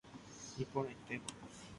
Iporãitépa